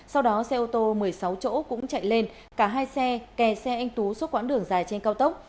sau đó xe ô tô một mươi sáu chỗ cũng chạy lên cả hai xe kè xe anh tú suốt quãng đường dài trên cao tốc